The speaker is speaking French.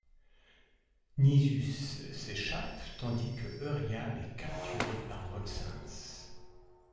Nisus s'échappe, tandis que Euryale est capturé par Volscens.